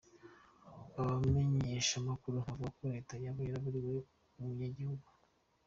Abamenyeshamakuru bavuga ko leta yoba yaburiwe n'umunyagihugu.